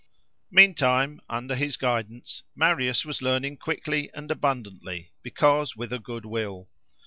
Meantime, under his guidance, Marius was learning quickly and abundantly, because with a good will.